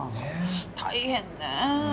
大変ねえ。